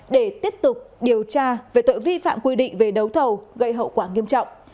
để tiếp tục điều tra về tội vi phạm quy định về đấu thầu gây hậu quả nghiêm trọng